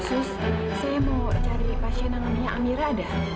sus saya mau cari pasien nama punya amira ada